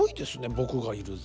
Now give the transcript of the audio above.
「僕がいるぞ！」。